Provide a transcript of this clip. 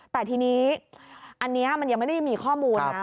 แต่ทีนี้อันนี้มันยังไม่ได้มีข้อมูลนะ